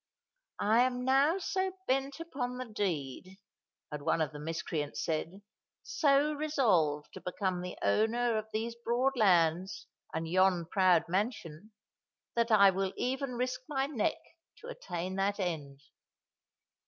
"I am now so bent upon the deed," had one of the miscreants said, "_so resolved to become the owner of these broad lands and yon proud mansion—that I will even risk my neck to attain that end!